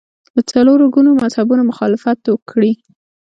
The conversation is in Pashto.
له څلور ګونو مذهبونو مخالفت وکړي